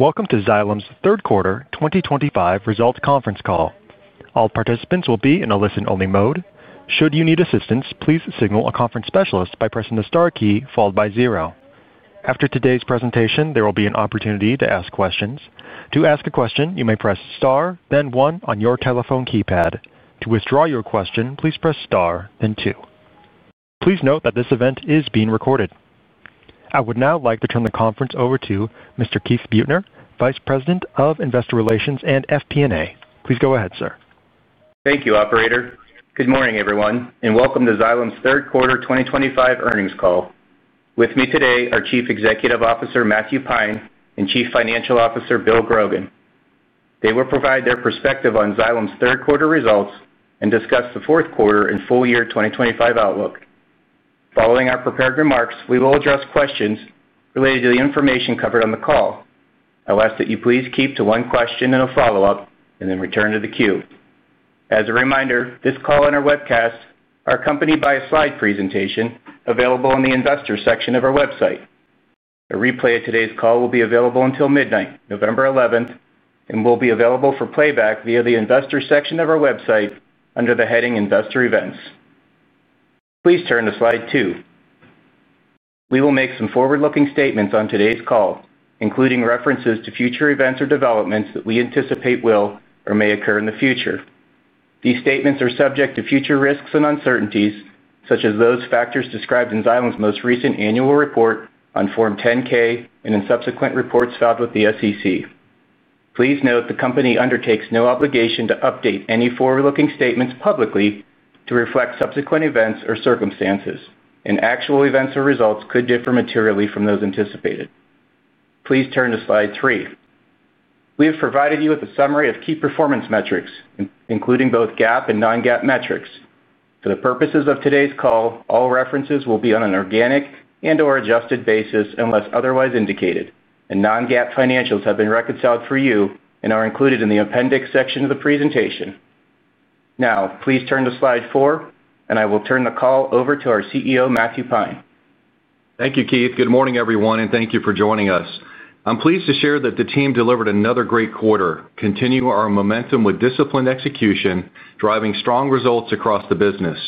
Welcome to Xylem's third quarter 2025 results conference call. All participants will be in a listen-only mode. Should you need assistance, please signal a conference specialist by pressing the star key followed by zero. After today's presentation, there will be an opportunity to ask questions. To ask a question, you may press star, then one on your telephone keypad. To withdraw your question, please press star, then two. Please note that this event is being recorded. I would now like to turn the conference over to Mr. Keith Buettner, Vice President of Investor Relations and FP&A. Please go ahead, sir. Thank you, operator. Good morning, everyone, and welcome to Xylem's third quarter 2025 earnings call. With me today are Chief Executive Officer Matthew Pine and Chief Financial Officer Bill Grogan. They will provide their perspective on Xylem's third quarter results and discuss the fourth quarter and full year 2025 outlook. Following our prepared remarks, we will address questions related to the information covered on the call. I'll ask that you please keep to one question and a follow-up and then return to the queue. As a reminder, this call and our webcast are accompanied by a slide presentation available in the Investors section of our website. A replay of today's call will be available until midnight, November 11, and will be available for playback via the Investors section of our website under the heading Investor Events. Please turn to slide two. We will make some forward-looking statements on today's call, including references to future events or developments that we anticipate will or may occur in the future. These statements are subject to future risks and uncertainties, such as those factors described in Xylem's most recent annual report on Form 10-K and in subsequent reports filed with the SEC. Please note the company undertakes no obligation to update any forward-looking statements publicly to reflect subsequent events or circumstances, and actual events or results could differ materially from those anticipated. Please turn to slide three. We have provided you with a summary of key performance metrics, including both GAAP and non-GAAP metrics. For the purposes of today's call, all references will be on an organic and/or adjusted basis unless otherwise indicated, and non-GAAP financials have been reconciled for you and are included in the appendix section of the presentation. Now, please turn to slide four, and I will turn the call over to our CEO, Matthew Pine. Thank you, Keith. Good morning, everyone, and thank you for joining us. I'm pleased to share that the team delivered another great quarter. Continue our momentum with disciplined execution, driving strong results across the business.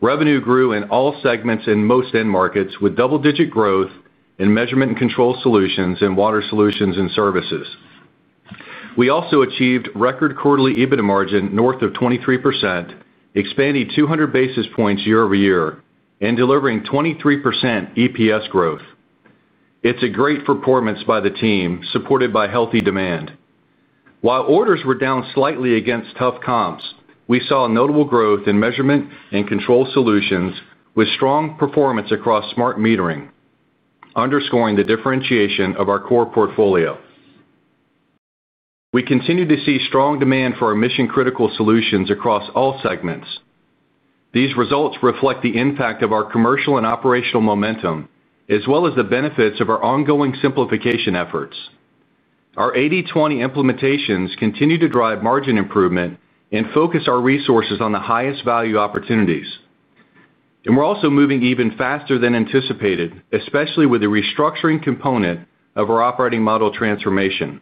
Revenue grew in all segments in most end markets with double-digit growth in Measurement and Control Solutions and Water Solutions and Services. We also achieved record quarterly EBITDA margin north of 23%, expanding 200 basis points year-over-year, and delivering 23% EPS growth. It's a great performance by the team, supported by healthy demand. While orders were down slightly against tough comps, we saw notable growth in Measurement and Control Solutions with strong performance across smart metering, underscoring the differentiation of our core portfolio. We continue to see strong demand for our mission-critical solutions across all segments. These results reflect the impact of our commercial and operational momentum, as well as the benefits of our ongoing simplification efforts. Our 80/20 implementations continue to drive margin improvement and focus our resources on the highest value opportunities. We're also moving even faster than anticipated, especially with the restructuring component of our operating model transformation.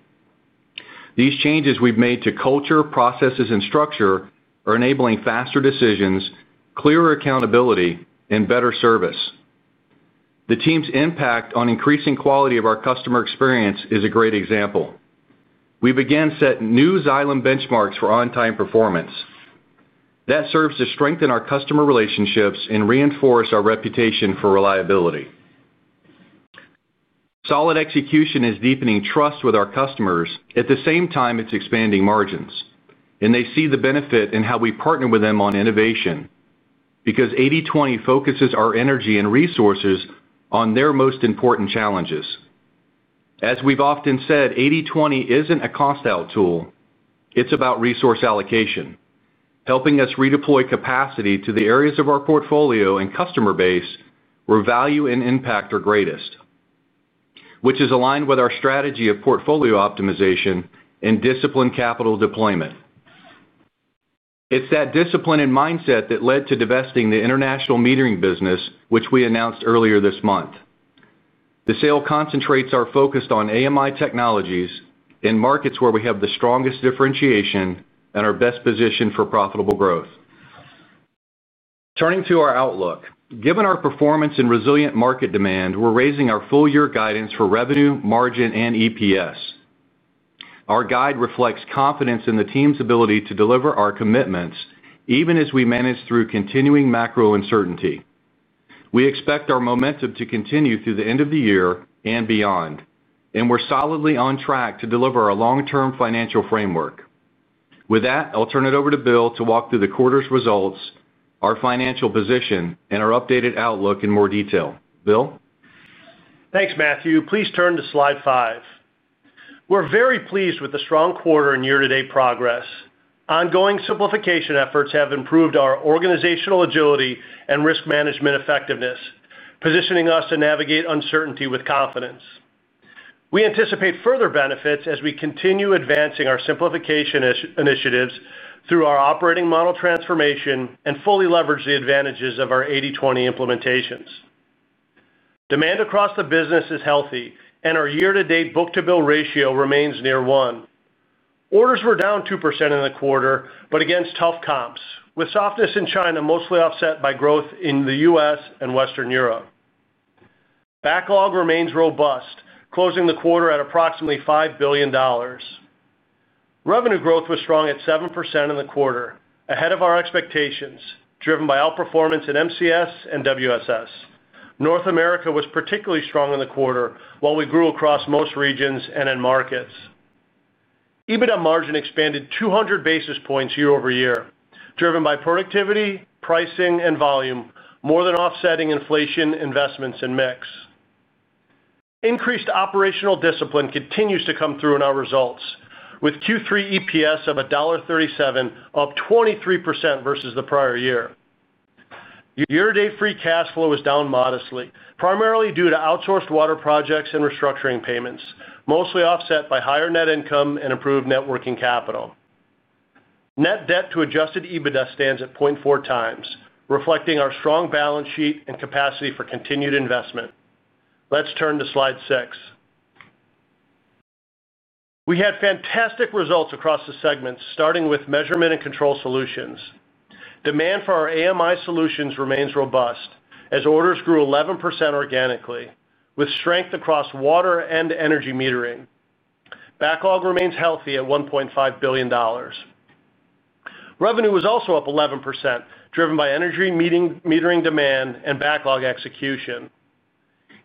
These changes we've made to culture, processes, and structure are enabling faster decisions, clearer accountability, and better service. The team's impact on increasing quality of our customer experience is a great example. We began setting new Xylem benchmarks for on-time performance. That serves to strengthen our customer relationships and reinforce our reputation for reliability. Solid execution is deepening trust with our customers. At the same time, it's expanding margins. They see the benefit in how we partner with them on innovation because 80/20 focuses our energy and resources on their most important challenges. As we've often said, 80/20 isn't a cost out tool. It's about resource allocation, helping us redeploy capacity to the areas of our portfolio and customer base where value and impact are greatest, which is aligned with our strategy of portfolio optimization and disciplined capital deployment. It's that discipline and mindset that led to divesting the international metering business, which we announced earlier this month. The sale concentrates our focus on AMI technologies in markets where we have the strongest differentiation and are best positioned for profitable growth. Turning to our outlook, given our performance in resilient market demand, we're raising our full-year guidance for revenue, margin, and EPS. Our guide reflects confidence in the team's ability to deliver our commitments, even as we manage through continuing macro uncertainty. We expect our momentum to continue through the end of the year and beyond, and we're solidly on track to deliver a long-term financial framework. With that, I'll turn it over to Bill to walk through the quarter's results, our financial position, and our updated outlook in more detail. Bill? Thanks, Matthew. Please turn to slide five. We're very pleased with the strong quarter and year-to-date progress. Ongoing simplification efforts have improved our organizational agility and risk management effectiveness, positioning us to navigate uncertainty with confidence. We anticipate further benefits as we continue advancing our simplification initiatives through our operating model transformation and fully leverage the advantages of our 80/20 implementations. Demand across the business is healthy, and our year-to-date book-to-bill ratio remains near one. Orders were down 2% in the quarter, but against tough comps, with softness in China mostly offset by growth in the U.S. and Western Europe. Backlog remains robust, closing the quarter at approximately $5 billion. Revenue growth was strong at 7% in the quarter, ahead of our expectations, driven by outperformance in MCS and WSS. North America was particularly strong in the quarter, while we grew across most regions and in markets. EBITDA margin expanded 200 basis points year-over-year, driven by productivity, pricing, and volume, more than offsetting inflation, investments, and mix. Increased operational discipline continues to come through in our results, with Q3 EPS of $1.37, up 23% versus the prior year. Year-to-date free cash flow is down modestly, primarily due to outsourced water projects and restructuring payments, mostly offset by higher net income and improved net working capital. Net debt to adjusted EBITDA stands at 0.4x, reflecting our strong balance sheet and capacity for continued investment. Let's turn to slide six. We had fantastic results across the segments, starting with Measurement and Control Solutions. Demand for our AMI solutions remains robust, as orders grew 11% organically, with strength across water and energy metering. Backlog remains healthy at $1.5 billion. Revenue was also up 11%, driven by energy metering demand and backlog execution.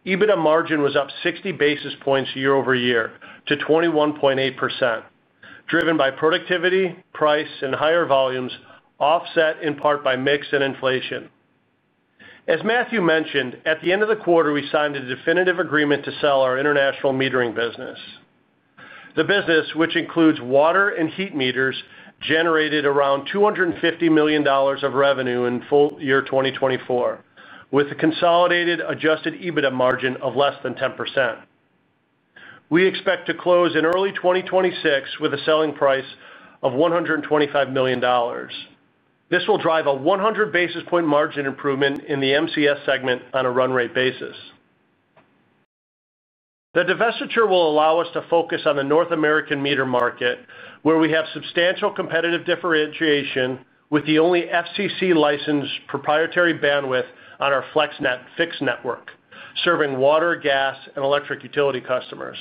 EBITDA margin was up 60 basis points year-over-year to 21.8%, driven by productivity, price, and higher volumes, offset in part by mix and inflation. As Matthew mentioned, at the end of the quarter, we signed a definitive agreement to sell our international metering business. The business, which includes water and heat meters, generated around $250 million of revenue in full year 2024, with a consolidated adjusted EBITDA margin of less than 10%. We expect to close in early 2026 with a selling price of $125 million. This will drive a 100 basis point margin improvement in the MCS segment on a run-rate basis. The divestiture will allow us to focus on the North American meter market, where we have substantial competitive differentiation with the only FCC-licensed proprietary bandwidth on our FlexNet fixed network, serving water, gas, and electric utility customers.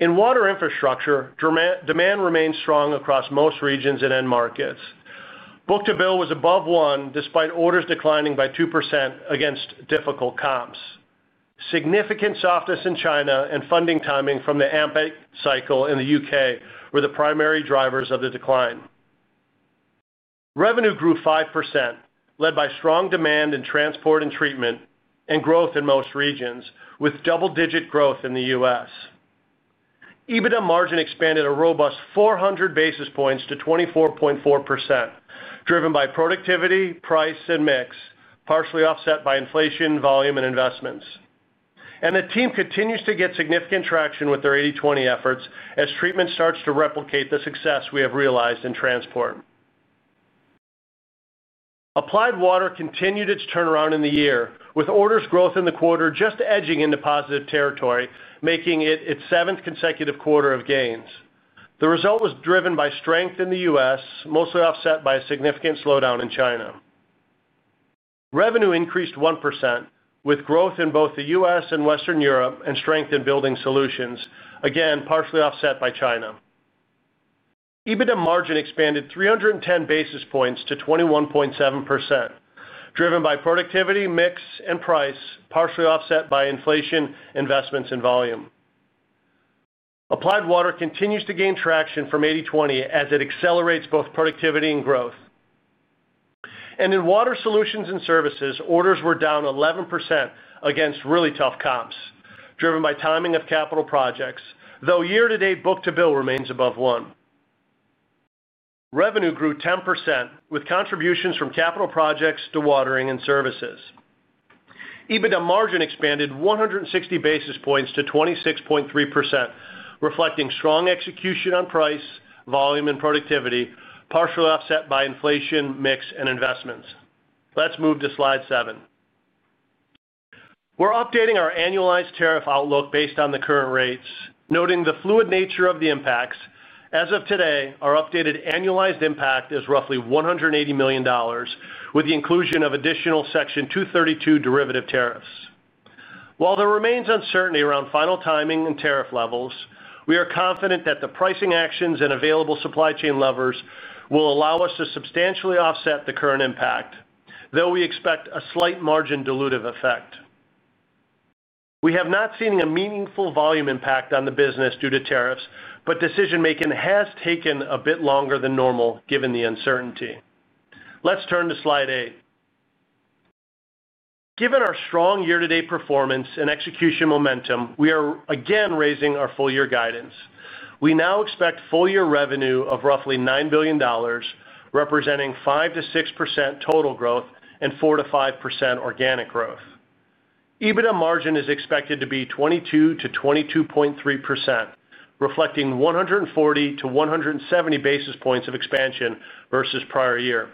In Water Infrastructure, demand remains strong across most regions and end markets. Book-to-bill was above one, despite orders declining by 2% against difficult comps. Significant softness in China and funding timing from the AMPAC cycle in the U.K. were the primary drivers of the decline. Revenue grew 5%, led by strong demand in transport and treatment and growth in most regions, with double-digit growth in the U.S. EBITDA margin expanded a robust 400 basis points to 24.4%, driven by productivity, price, and mix, partially offset by inflation, volume, and investments. The team continues to get significant traction with their 80/20 efforts as treatment starts to replicate the success we have realized in transport. Applied Water continued its turnaround in the year, with orders growth in the quarter just edging into positive territory, making it its seventh consecutive quarter of gains. The result was driven by strength in the U.S., mostly offset by a significant slowdown in China. Revenue increased 1%, with growth in both the U.S. and Western Europe and strength in Building Solutions, again partially offset by China. EBITDA margin expanded 310 basis points to 21.7%, driven by productivity, mix, and price, partially offset by inflation, investments, and volume. Applied Water continues to gain traction from 80/20 as it accelerates both productivity and growth. In Water Solutions and Services, orders were down 11% against really tough comps, driven by timing of capital projects, though year-to-date book-to-bill remains above one. Revenue grew 10% with contributions from capital projects to watering and services. EBITDA margin expanded 160 basis points to 26.3%, reflecting strong execution on price, volume, and productivity, partially offset by inflation, mix, and investments. Let's move to slide seven. We're updating our annualized tariff outlook based on the current rates, noting the fluid nature of the impacts. As of today, our updated annualized impact is roughly $180 million, with the inclusion of additional Section 232 derivative tariffs. While there remains uncertainty around final timing and tariff levels, we are confident that the pricing actions and available supply chain levers will allow us to substantially offset the current impact, though we expect a slight margin dilutive effect. We have not seen a meaningful volume impact on the business due to tariffs, but decision-making has taken a bit longer than normal given the uncertainty. Let's turn to slide eight. Given our strong year-to-date performance and execution momentum, we are again raising our full-year guidance. We now expect full-year revenue of roughly $9 billion, representing 5%-6% total growth and 4%-5% organic growth. EBITDA margin is expected to be 22%-22.3%, reflecting 140-170 basis points of expansion versus prior year,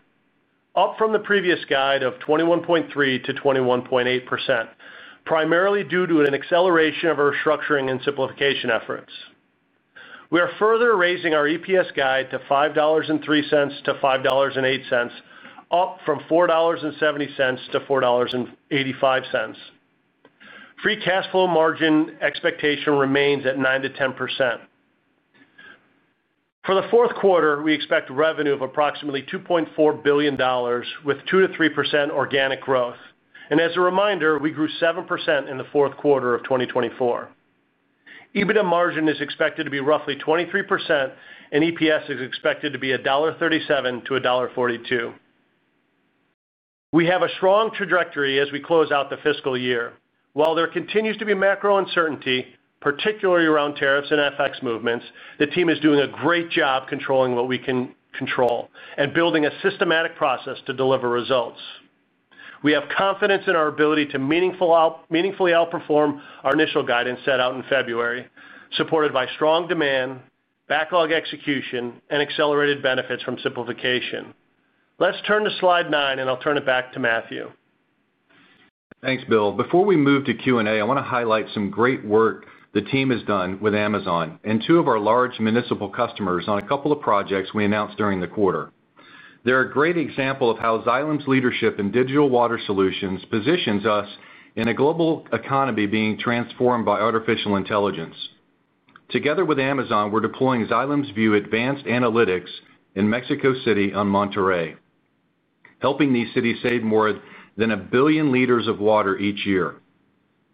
up from the previous guide of 21.3%-21.8%, primarily due to an acceleration of our structuring and simplification efforts. We are further raising our EPS guide to $5.03-$5.08, up from $4.70-$4.85. Free cash flow margin expectation remains at 9%-10%. For the fourth quarter, we expect revenue of approximately $2.4 billion, with 2%-3% organic growth. As a reminder, we grew 7% in the fourth quarter of 2024. EBITDA margin is expected to be roughly 23%, and EPS is expected to be $1.37-$1.42. We have a strong trajectory as we close out the fiscal year. While there continues to be macro uncertainty, particularly around tariffs and FX movements, the team is doing a great job controlling what we can control and building a systematic process to deliver results. We have confidence in our ability to meaningfully outperform our initial guidance set out in February, supported by strong demand, backlog execution, and accelerated benefits from simplification. Let's turn to slide nine, and I'll turn it back to Matthew. Thanks, Bill. Before we move to Q&A, I want to highlight some great work the team has done with Amazon and two of our large municipal customers on a couple of projects we announced during the quarter. They're a great example of how Xylem's leadership in digital water solutions positions us in a global economy being transformed by artificial intelligence. Together with Amazon, we're deploying Xylem's Vue Advanced Analytics in Mexico City and Monterrey, helping these cities save more than 1 L billion of water each year.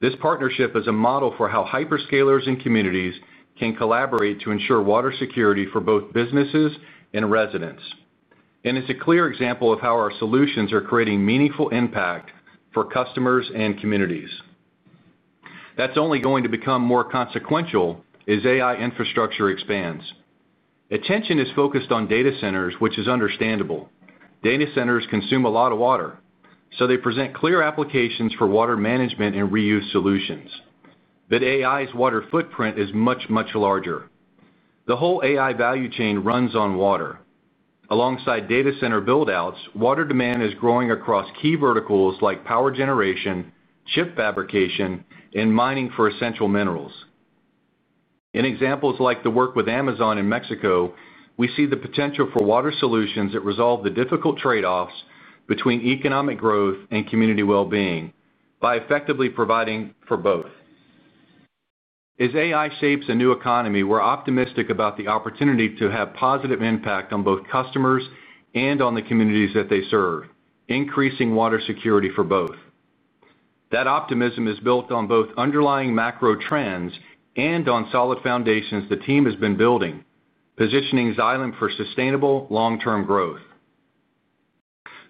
This partnership is a model for how hyperscalers and communities can collaborate to ensure water security for both businesses and residents. It is a clear example of how our solutions are creating meaningful impact for customers and communities. That is only going to become more consequential as AI infrastructure expands. Attention is focused on data centers, which is understandable. Data centers consume a lot of water, so they present clear applications for water management and reuse solutions. AI's water footprint is much, much larger. The whole AI value chain runs on water. Alongside data center buildouts, water demand is growing across key verticals like power generation, chip fabrication, and mining for essential minerals. In examples like the work with Amazon in Mexico, we see the potential for water solutions that resolve the difficult trade-offs between economic growth and community well-being by effectively providing for both. As AI shapes a new economy, we're optimistic about the opportunity to have positive impact on both customers and on the communities that they serve, increasing water security for both. That optimism is built on both underlying macro trends and on solid foundations the team has been building, positioning Xylem for sustainable long-term growth.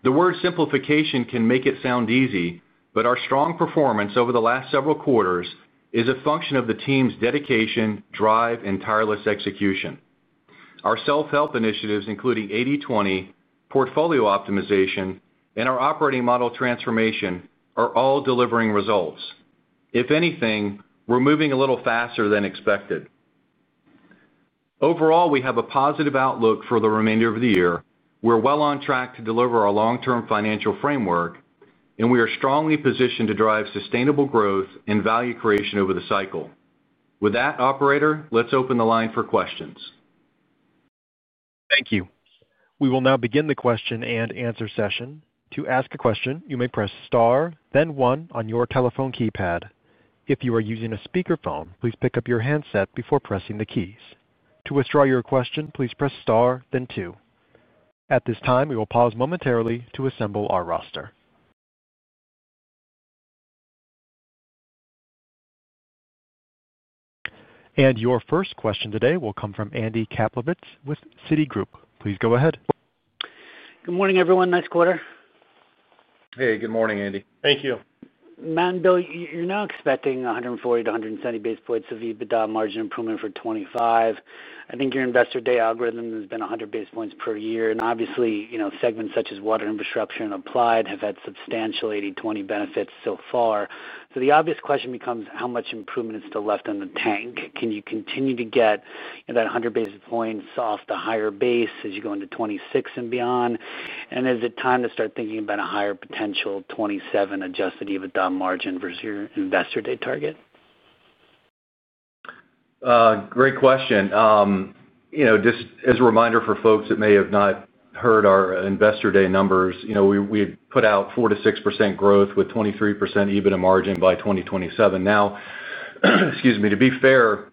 The word simplification can make it sound easy, but our strong performance over the last several quarters is a function of the team's dedication, drive, and tireless execution. Our self-help initiatives, including 80/20, portfolio optimization, and our operating model transformation, are all delivering results. If anything, we're moving a little faster than expected. Overall, we have a positive outlook for the remainder of the year. We're well on track to deliver our long-term financial framework, and we are strongly positioned to drive sustainable growth and value creation over the cycle. With that, operator, let's open the line for questions. Thank you. We will now begin the question and answer session. To ask a question, you may press star, then one on your telephone keypad. If you are using a speakerphone, please pick up your handset before pressing the keys. To withdraw your question, please press star, then two. At this time, we will pause momentarily to assemble our roster. Your first question today will come from Andy Kaplowitz with Citigroup. Please go ahead. Good morning, everyone. Next quarter. Hey, good morning, Andy. Bill, you're now expecting 140-170 basis points of EBITDA margin improvement for 2025. I think your Investor Day algorithm has been 100 basis points per year. Obviously, segments such as Water Infrastructure and Applied have had substantial 80/20 benefits so far. The obvious question becomes how much improvement is still left in the tank? Can you continue to get that 100 basis points off the higher base as you go into 2026 and beyond? Is it time to start thinking about a higher potential 2027 adjusted EBITDA margin versus your Investor Day target? Great question. Just as a reminder for folks that may have not heard our Investor Day numbers, we had put out 4%-6% growth with 23% EBITDA margin by 2027. Now, excuse me, to be fair,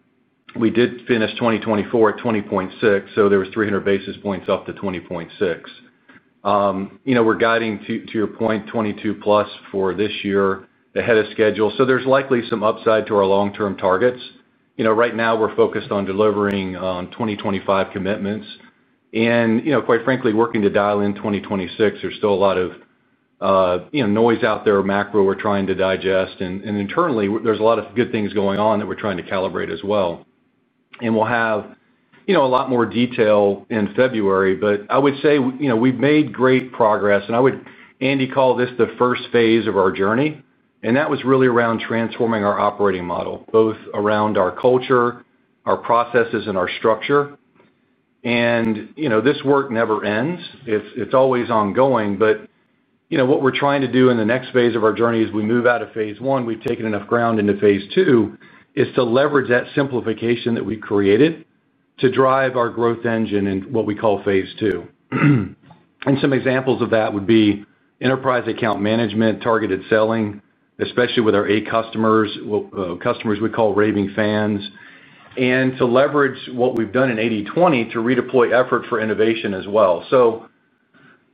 we did finish 2024 at 20.6%, so there was 300 basis points off the 20.6%. We're guiding, to your point, 22%+ for this year ahead of schedule, so there's likely some upside to our long-term targets. Right now we're focused on delivering on 2025 commitments. Quite frankly, working to dial in 2026, there's still a lot of noise out there, macro we're trying to digest. Internally, there's a lot of good things going on that we're trying to calibrate as well. We'll have a lot more detail in February, but I would say we've made great progress. I would, Andy, call this the first phase of our journey. That was really around transforming our operating model, both around our culture, our processes, and our structure. This work never ends. It's always ongoing. What we're trying to do in the next phase of our journey as we move out of phase I, we've taken enough ground into phase II, is to leverage that simplification that we created to drive our growth engine in what we call phase II. Some examples of that would be enterprise account management, targeted selling, especially with our eight customers, customers we call raving fans, and to leverage what we've done in 80/20 to redeploy effort for innovation as well.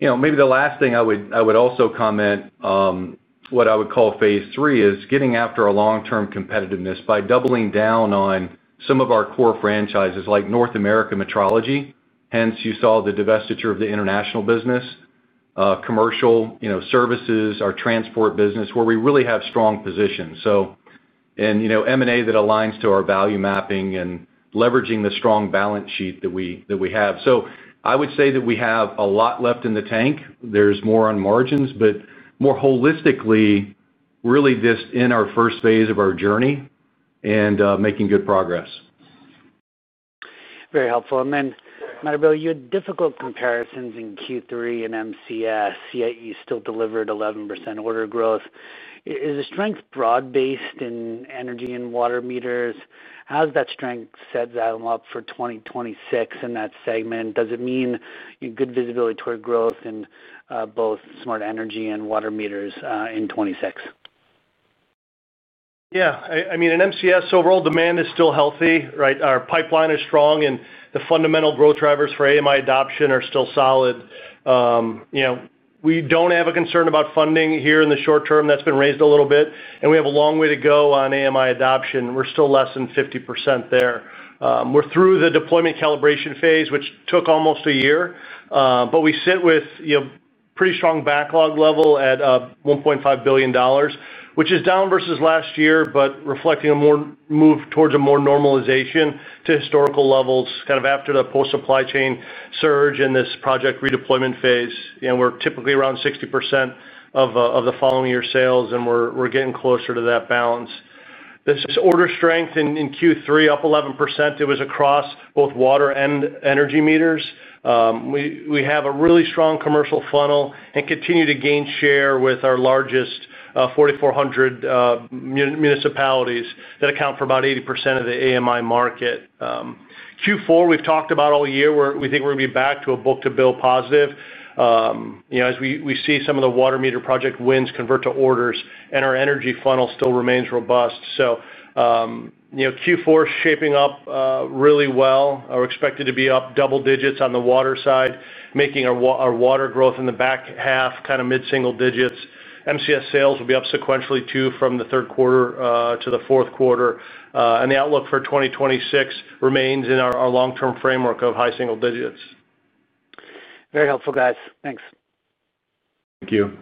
Maybe the last thing I would also comment, what I would call phase III is getting after our long-term competitiveness by doubling down on some of our core franchises like North America Metrology. Hence, you saw the divestiture of the international business, commercial services, our transport business, where we really have strong positions. M&A that aligns to our value mapping and leveraging the strong balance sheet that we have. I would say that we have a lot left in the tank. There's more on margins, but more holistically, really just in our first phase of our journey and making good progress. Very helpful. Matthew, you had difficult comparisons in Q3 and MCS, yet you still delivered 11% order growth. Is the strength broad-based in energy and water meters? How does that strength set Xylem up for 2026 in that segment? Does it mean good visibility toward growth in both smart energy and water meters in 2026? Yeah, I mean, in MCS, overall demand is still healthy, right? Our pipeline is strong, and the fundamental growth drivers for AMI adoption are still solid. You know, we don't have a concern about funding here in the short-term. That's been raised a little bit, and we have a long way to go on AMI adoption. We're still less than 50% there. We're through the deployment calibration phase, which took almost a year, but we sit with a pretty strong backlog level at $1.5 billion, which is down versus last year, but reflecting a move towards a more normalization to historical levels, kind of after the post-supply chain surge and this project redeployment phase. We're typically around 60% of the following year's sales, and we're getting closer to that balance. This order strength in Q3, up 11%, was across both water and energy meters. We have a really strong commercial funnel and continue to gain share with our largest 4,400 municipalities that account for about 80% of the AMI market. Q4, we've talked about all year, we think we're going to be back to a book-to-bill positive. As we see some of the water meter project wins convert to orders, our energy funnel still remains robust. Q4 is shaping up really well. We're expected to be up double digits on the water side, making our water growth in the back half kind of mid-single digits. MCS sales will be up sequentially too from the third quarter to the fourth quarter. The outlook for 2026 remains in our long-term framework of high single digits. Very helpful, guys. Thanks. Thank you.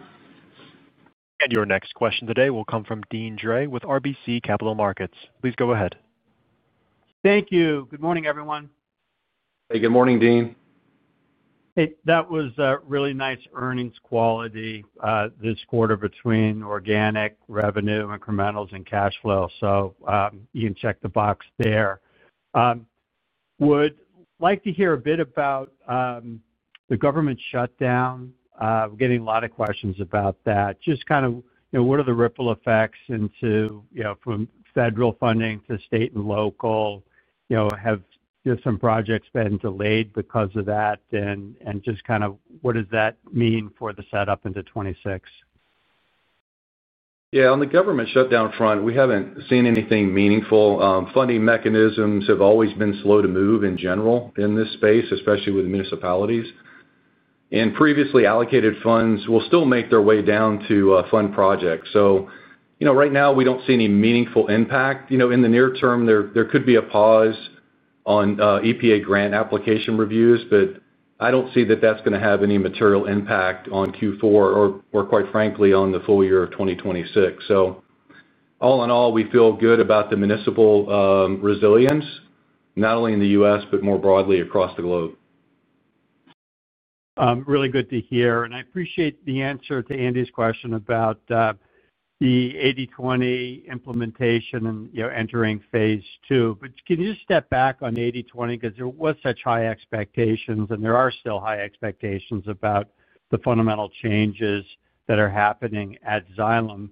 Your next question today will come from Deane Dray with RBC Capital Markets. Please go ahead. Thank you. Good morning, everyone. Hey, good morning, Deane. That was a really nice earnings quality this quarter between organic revenue incrementals and cash flow. You can check the box there. I would like to hear a bit about the government shutdown. We're getting a lot of questions about that. Just kind of, you know, what are the ripple effects into, you know, from federal funding to state and local? Have just some projects been delayed because of that? What does that mean for the setup into 2026? Yeah, on the government shutdown front, we haven't seen anything meaningful. Funding mechanisms have always been slow to move in general in this space, especially with the municipalities. Previously allocated funds will still make their way down to fund projects. Right now we don't see any meaningful impact. In the near-term, there could be a pause on EPA grant application reviews, but I don't see that that's going to have any material impact on Q4 or, quite frankly, on the full year of 2026. All in all, we feel good about the municipal resilience, not only in the U.S., but more broadly across the globe. Really good to hear. I appreciate the answer to Andy's question about the 80/20 implementation and entering phase II. Can you just step back on 80/20? There were such high expectations, and there are still high expectations about the fundamental changes that are happening at Xylem.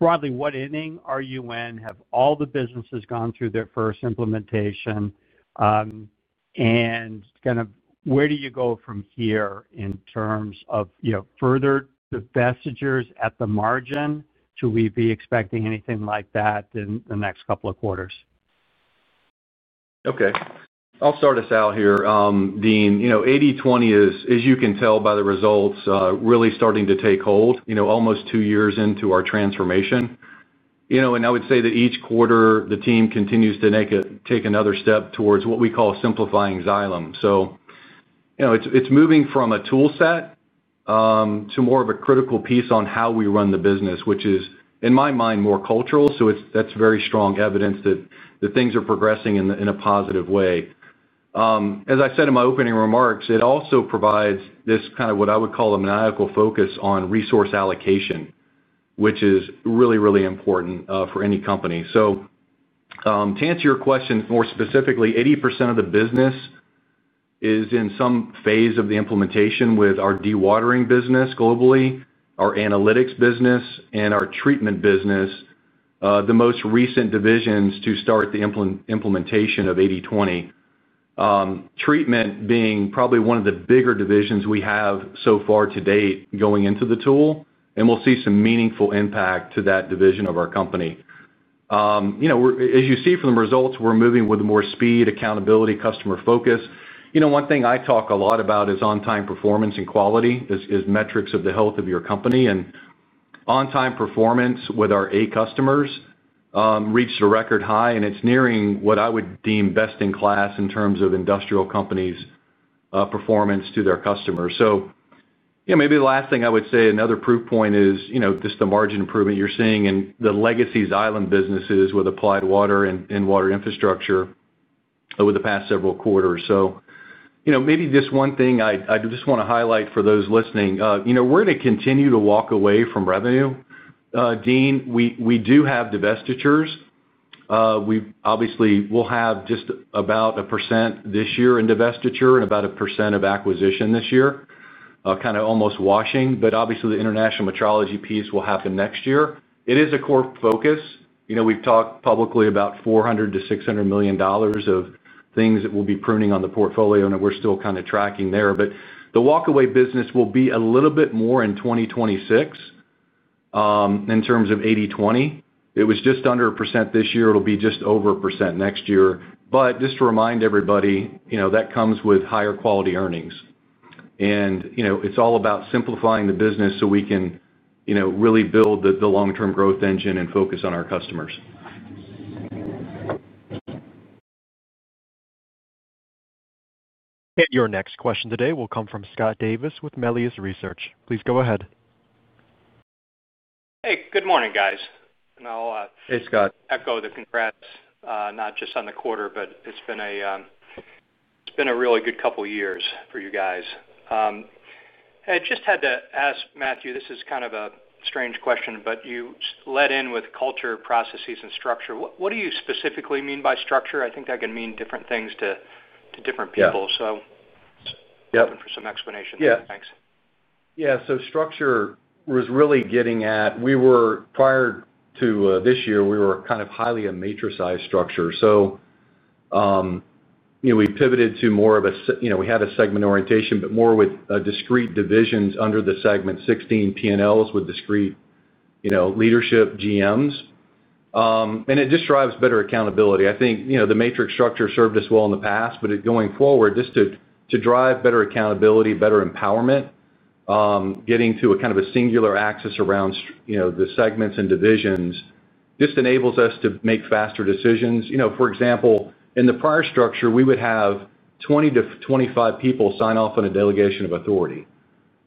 Broadly, what inning are you in? Have all the businesses gone through their first implementation? Where do you go from here in terms of further divestitures at the margin? Should we be expecting anything like that in the next couple of quarters? Okay. I'll start us out here, Deane. You know, 80/20 is, as you can tell by the results, really starting to take hold, you know, almost two years into our transformation. I would say that each quarter, the team continues to take another step towards what we call simplifying Xylem. It's moving from a tool set to more of a critical piece on how we run the business, which is, in my mind, more cultural. That's very strong evidence that things are progressing in a positive way. As I said in my opening remarks, it also provides this kind of what I would call a maniacal focus on resource allocation, which is really, really important for any company. To answer your question more specifically, 80% of the business is in some phase of the implementation with our dewatering business globally, our analytics business, and our treatment business, the most recent divisions to start the implementation of 80/20. Treatment being probably one of the bigger divisions we have so far to date going into the tool. We'll see some meaningful impact to that division of our company. As you see from the results, we're moving with more speed, accountability, customer focus. One thing I talk a lot about is on-time performance and quality as metrics of the health of your company. On-time performance with our eight customers reached a record high, and it's nearing what I would deem best in class in terms of industrial companies' performance to their customers. Maybe the last thing I would say, another proof point is just the margin improvement you're seeing in the legacy Xylem businesses with Applied Water and Water Infrastructure over the past several quarters. Maybe just one thing I just want to highlight for those listening. We're going to continue to walk away from revenue, Deane. We do have divestitures. We obviously will have just about 1% this year in divestiture and about 1% of acquisition this year, kind of almost washing. Obviously, the international metrology piece will happen next year. It is a core focus. We've talked publicly about $400 million-$600 million of things that we'll be pruning on the portfolio, and we're still kind of tracking there. The walkaway business will be a little bit more in 2026 in terms of 80/20. It was just under 1% this year. It'll be just over 1% next year. Just to remind everybody, that comes with higher quality earnings. It's all about simplifying the business so we can really build the long-term growth engine and focus on our customers. Your next question today will come from Scott Davis with Melius Research. Please go ahead. Hey, good morning, guys. I'll echo the congrats, not just on the quarter, but it's been a really good couple of years for you guys. I just had to ask, Matthew, this is kind of a strange question, but you led in with culture, processes, and structure. What do you specifically mean by structure? I think that can mean different things to different people. I'm looking for some explanations. Thanks. Yeah, so structure was really getting at, we were prior to this year, we were kind of highly a matrixized structure. We pivoted to more of a, you know, we had a segment orientation, but more with discrete divisions under the segment, 16 P&Ls with discrete leadership GMs. It just drives better accountability. I think the matrix structure served us well in the past, but going forward, just to drive better accountability, better empowerment, getting to a kind of a singular axis around the segments and divisions just enables us to make faster decisions. For example, in the prior structure, we would have 20-25 people sign off on a delegation of authority.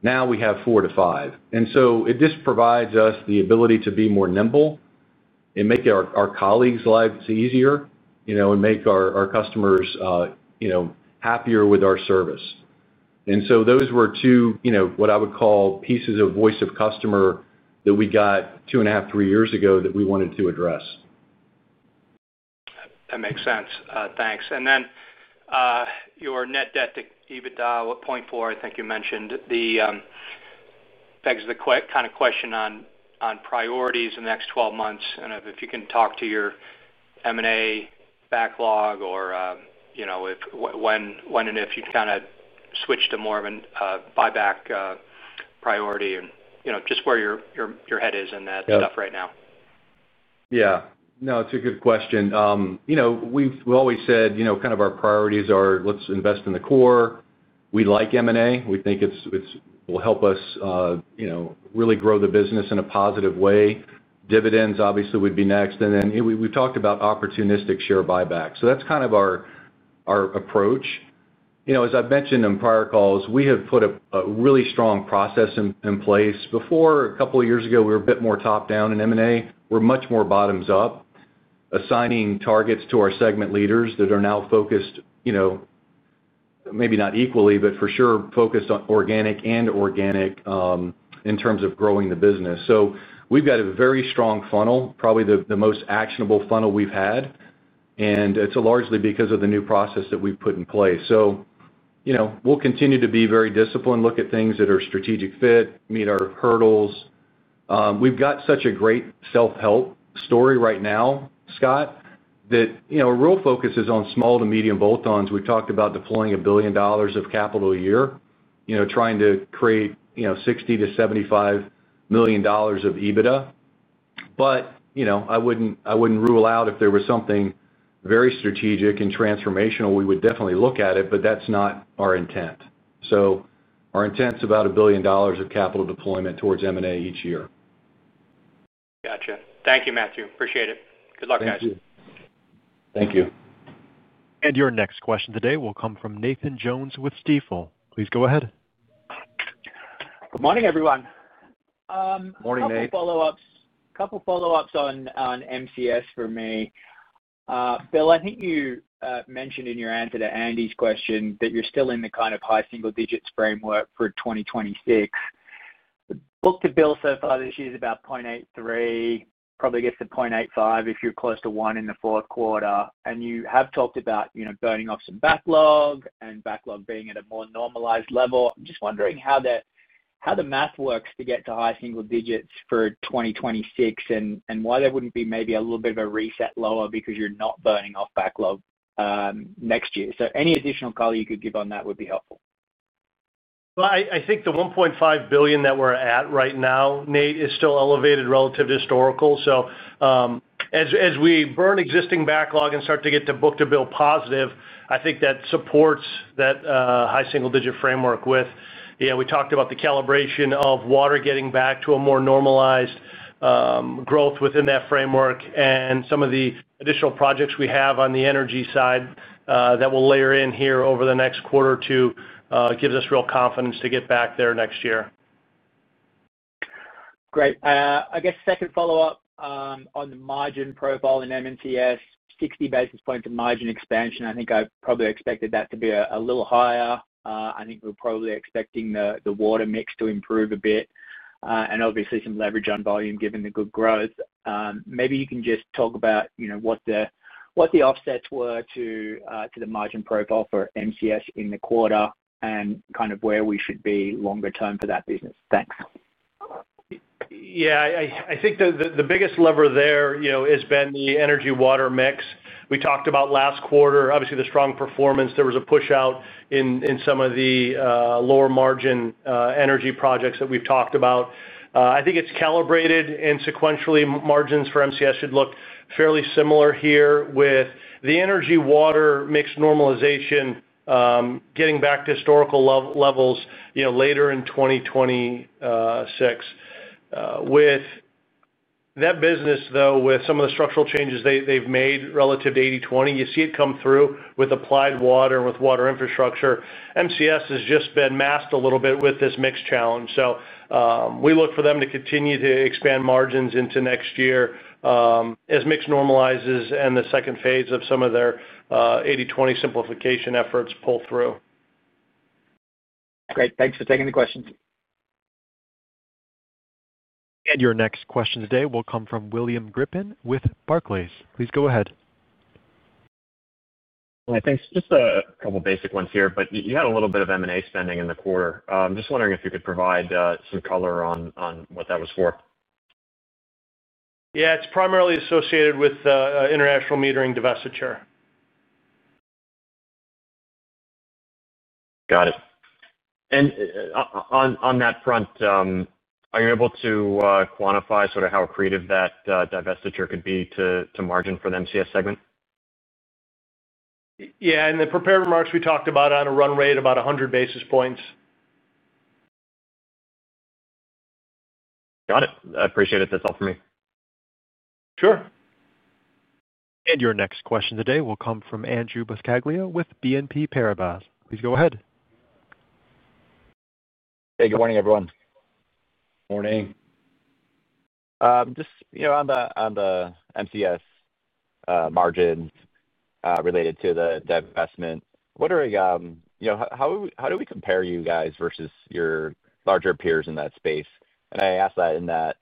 Now we have four to five. It just provides us the ability to be more nimble and make our colleagues' lives easier, and make our customers happier with our service. Those were two, what I would call pieces of voice of customer that we got two and a half, three years ago that we wanted to address. That makes sense. Thanks. Your net debt to EBITDA is 0.4x, I think you mentioned the kind of question on priorities in the next 12 months. If you can talk to your M&A backlog or, you know, when and if you kind of switch to more of a buyback priority and just where your head is in that stuff right now. Yeah. No, it's a good question. We've always said our priorities are let's invest in the core. We like M&A. We think it will help us really grow the business in a positive way. Dividends obviously would be next. We've talked about opportunistic share buybacks. That's kind of our approach. As I've mentioned in prior calls, we have put a really strong process in place. A couple of years ago, we were a bit more top-down in M&A. We're much more bottoms-up, assigning targets to our segment leaders that are now focused, maybe not equally, but for sure focused on organic and organic in terms of growing the business. We've got a very strong funnel, probably the most actionable funnel we've had. It's largely because of the new process that we've put in place. We'll continue to be very disciplined, look at things that are strategic fit, meet our hurdles. We've got such a great self-help story right now, Scott, that a real focus is on small to medium bolt-ons. We've talked about deploying $1 billion of capital a year, trying to create $60 million-$75 million of EBITDA. I wouldn't rule out if there was something very strategic and transformational, we would definitely look at it, but that's not our intent. Our intent is about $1 billion of capital deployment towards M&A each year. Gotcha. Thank you, Matthew. Appreciate it. Good luck, guys. Thank you. Thank you. Your next question today will come from Nathan Jones with Stifel. Please go ahead. Good morning, everyone. Morning, Nate. A couple of follow-ups on MCS for me. Bill, I think you mentioned in your answer to Andy's question that you're still in the kind of high single digits framework for 2026. The book-to-bill so far this year is about 0.83, probably gets to 0.85 if you're close to 1 in the fourth quarter. You have talked about burning off some backlog and backlog being at a more normalized level. I'm just wondering how the math works to get to high single digits for 2026 and why there wouldn't be maybe a little bit of a reset lower because you're not burning off backlog next year. Any additional color you could give on that would be helpful. I think the $1.5 billion that we're at right now, Nate, is still elevated relative to historical. As we burn existing backlog and start to get to book to bill positive, I think that supports that high single-digit framework with, you know, we talked about the calibration of water getting back to a more normalized growth within that framework and some of the additional projects we have on the energy side that we'll layer in here over the next quarter or two. It gives us real confidence to get back there next year. Great. I guess a second follow-up on the margin profile in MCS, 60 basis points of margin expansion. I think I probably expected that to be a little higher. I think we're probably expecting the water mix to improve a bit and obviously some leverage on volume given the good growth. Maybe you can just talk about what the offsets were to the margin profile for MCS in the quarter and kind of where we should be longer term for that business. Thanks. Yeah, I think the biggest lever there has been the energy water mix. We talked about last quarter, obviously the strong performance. There was a push out in some of the lower margin energy projects that we've talked about. I think it's calibrated and sequentially. Margins for MCS should look fairly similar here with the energy water mix normalization, getting back to historical levels later in 2026. With that business, though, with some of the structural changes they've made relative to 80/20, you see it come through with Applied Water and with Water Infrastructure. MCS has just been masked a little bit with this mix challenge. We look for them to continue to expand margins into next year as mix normalizes and the second phase of some of their 80/20 simplification efforts pull through. Great. Thanks for taking the questions. Your next question today will come from William Grippin with Barclays. Please go ahead. Thanks. Just a couple of basic ones here, but you had a little bit of M&A spending in the quarter. I'm just wondering if you could provide some color on what that was for. Yeah, it's primarily associated with international metering divestiture. Got it. On that front, are you able to quantify sort of how accretive that divestiture could be to margin for the MCS segment? Yeah, in the prepared remarks, we talked about on a run rate about 100 basis points. Got it. I appreciate it. That's all for me. Sure. Your next question today will come from Andrew with BNP Paribas. Please go ahead. Hey, good morning, everyone. Good morning. On the MCS margins related to the divestiture, how do we compare you guys versus your larger peers in that space? I ask that in that,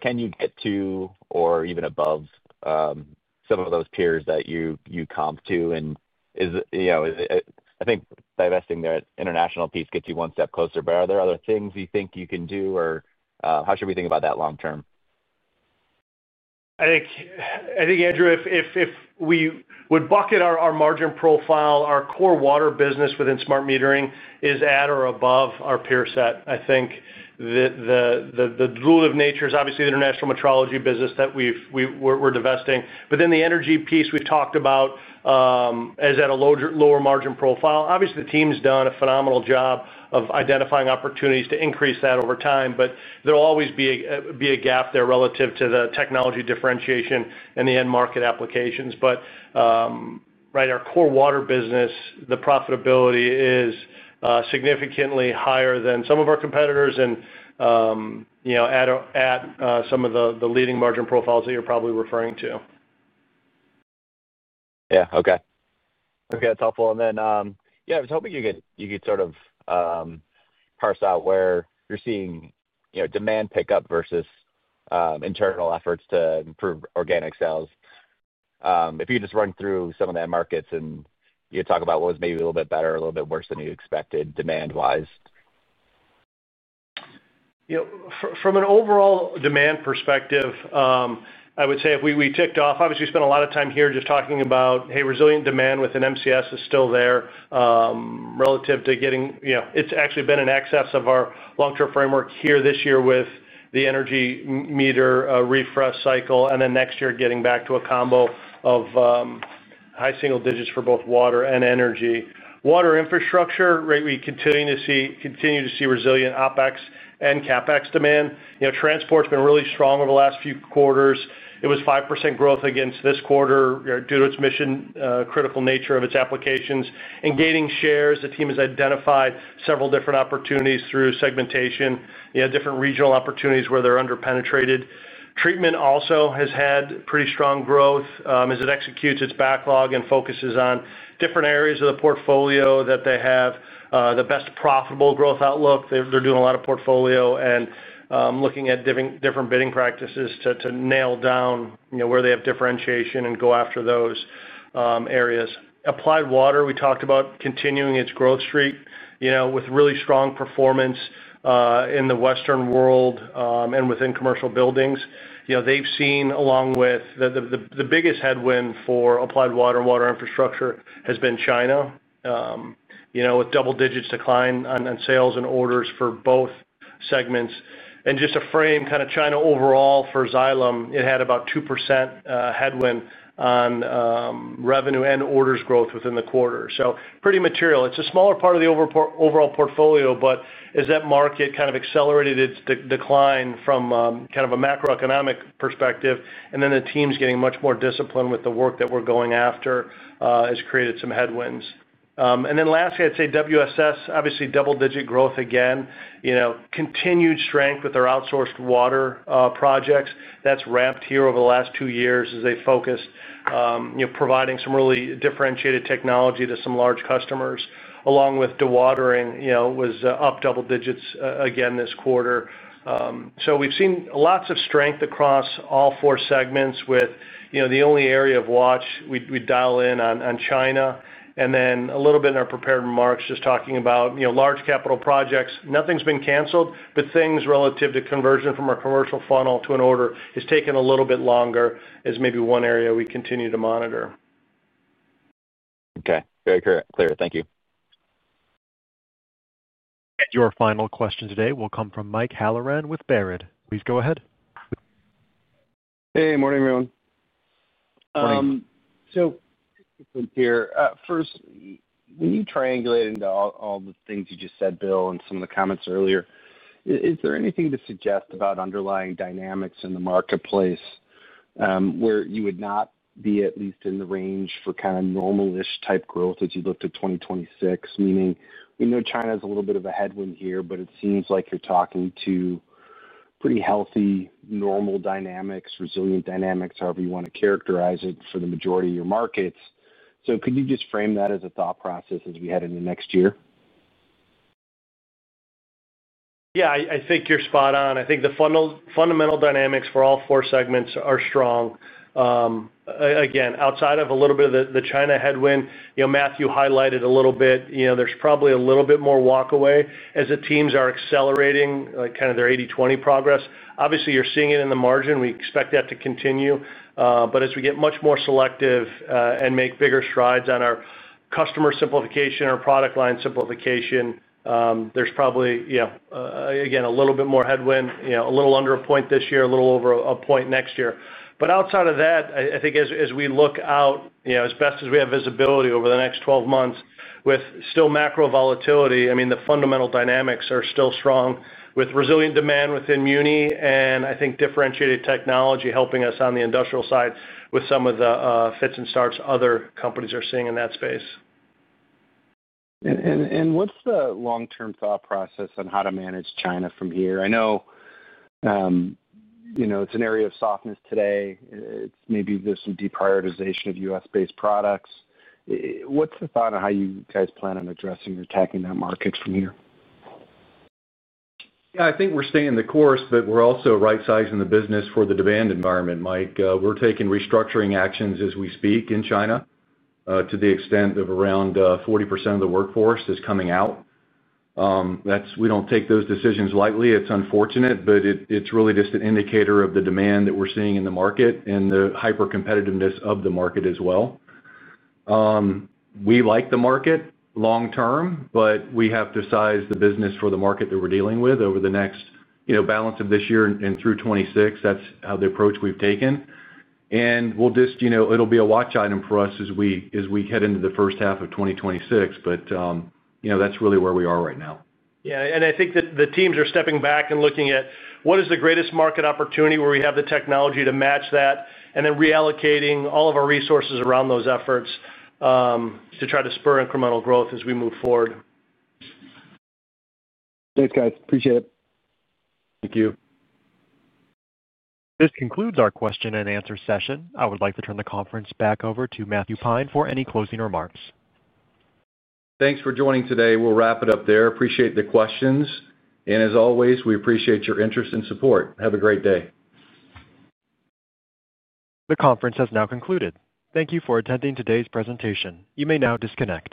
can you get to or even above some of those peers that you comp to? I think divesting the international piece gets you one step closer, but are there other things you think you can do or how should we think about that long-term? I think, Andrew, if we would bucket our margin profile, our core water business within smart metering is at or above our peer set. I think that the rule of nature is obviously the international metrology business that we're divesting. The energy piece we've talked about is at a lower margin profile. Obviously, the team's done a phenomenal job of identifying opportunities to increase that over time, but there will always be a gap there relative to the technology differentiation and the end market applications. Our core water business, the profitability is significantly higher than some of our competitors and, you know, at some of the leading margin profiles that you're probably referring to. Okay, that's helpful. I was hoping you could sort of parse out where you're seeing demand pickup versus internal efforts to improve organic sales. If you could just run through some of the end markets and talk about what was maybe a little bit better or a little bit worse than you expected demand-wise. You know, from an overall demand perspective, I would say if we ticked off, obviously, we spent a lot of time here just talking about, hey, resilient demand within MCS is still there relative to getting, you know, it's actually been in excess of our long-term framework here this year with the energy meter refresh cycle. Then next year, getting back to a combo of high single digits for both water and energy. Water infrastructure, right, we continue to see resilient OpEx and CapEx demand. Transport's been really strong over the last few quarters. It was 5% growth against this quarter due to its mission-critical nature of its applications. In gating shares, the team has identified several different opportunities through segmentation, different regional opportunities where they're underpenetrated. Treatment also has had pretty strong growth as it executes its backlog and focuses on different areas of the portfolio that they have the best profitable growth outlook. They're doing a lot of portfolio and looking at different bidding practices to nail down where they have differentiation and go after those areas. Applied Water, we talked about continuing its growth streak with really strong performance in the Western world and within commercial buildings. They've seen, along with the biggest headwind for Applied Water and Water Infrastructure, has been China, with double-digit decline on sales and orders for both segments. Just to frame kind of China overall for Xylem, it had about 2% headwind on revenue and orders growth within the quarter. Pretty material. It's a smaller part of the overall portfolio, but as that market kind of accelerated its decline from kind of a macroeconomic perspective, and then the team's getting much more disciplined with the work that we're going after, it's created some headwinds. Lastly, I'd say WSS, obviously double-digit growth again, continued strength with our outsourced water projects. That's ramped here over the last two years as they focused, providing some really differentiated technology to some large customers, along with dewatering, was up double digits again this quarter. We've seen lots of strength across all four segments with the only area of watch we dial in on China. A little bit in our prepared remarks, just talking about large capital projects. Nothing's been canceled, but things relative to conversion from our commercial funnel to an order has taken a little bit longer is maybe one area we continue to monitor. Okay. Very clear. Thank you. Your final question today will come from Mike Halloran with Baird. Please go ahead. Hey, morning, everyone. Morning. Two questions here. First, when you triangulate into all the things you just said, Bill, and some of the comments earlier, is there anything to suggest about underlying dynamics in the marketplace where you would not be at least in the range for kind of normal-ish type growth as you look to 2026? Meaning, we know China is a little bit of a headwind here, but it seems like you're talking to pretty healthy, normal dynamics, resilient dynamics, however you want to characterize it for the majority of your markets. Could you just frame that as a thought process as we head into next year? Yeah, I think you're spot on. I think the fundamental dynamics for all four segments are strong. Again, outside of a little bit of the China headwind, Matthew highlighted a little bit, there's probably a little bit more walkaway as the teams are accelerating their 80/20 progress. Obviously, you're seeing it in the margin. We expect that to continue. As we get much more selective and make bigger strides on our customer simplification or product line simplification, there's probably a little bit more headwind, a little under a point this year, a little over a point next year. Outside of that, I think as we look out, as best as we have visibility over the next 12 months with still macro volatility, the fundamental dynamics are still strong with resilient demand within [Muni] and I think differentiated technology helping us on the industrial side with some of the fits and starts other companies are seeing in that space. What is the long-term thought process on how to manage China from here? I know it's an area of softness today. Maybe there's some deprioritization of U.S.-based products. What is the thought on how you guys plan on addressing or attacking that market from here? Yeah, I think we're staying the course, but we're also right-sizing the business for the demand environment, Mike. We're taking restructuring actions as we speak in China, to the extent of around 40% of the workforce is coming out. We don't take those decisions lightly. It's unfortunate, but it's really just an indicator of the demand that we're seeing in the market and the hyper-competitiveness of the market as well. We like the market long-term, but we have to size the business for the market that we're dealing with over the next, you know, balance of this year and through 2026. That's how the approach we've taken. It'll be a watch item for us as we head into the first half of 2026. That's really where we are right now. I think that the teams are stepping back and looking at what is the greatest market opportunity where we have the technology to match that, and then reallocating all of our resources around those efforts to try to spur incremental growth as we move forward. Thanks, guys. Appreciate it. Thank you. This concludes our question and answer session. I would like to turn the conference back over to Matthew Pine for any closing remarks. Thanks for joining today. We'll wrap it up there. Appreciate the questions. As always, we appreciate your interest and support. Have a great day. The conference has now concluded. Thank you for attending today's presentation. You may now disconnect.